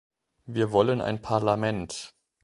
Wir wollen ein Parlament.